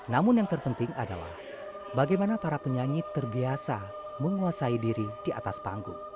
namun yang terpenting adalah bagaimana para penyanyi terbiasa menguasai diri di atas panggung